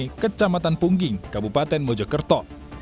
di kecamatan pungging kabupaten mojokerto